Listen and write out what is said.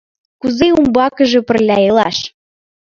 Кузе умбакыже пырля илаш...